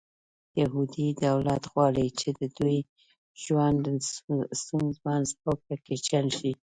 یهودي دولت غواړي چې د دوی ژوند ستونزمن او کړکېچن شي.